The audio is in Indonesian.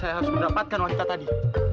saya harus mendapatkan wanita tadi